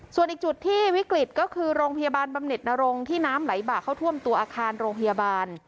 ส่วนอีกจุดที่วิกฤตก็คือโรงพยาบาลบำเน็ตนรงค์ที่น้ำไหลบากเข้าท่วมตัวอาคารโรงพยาบาล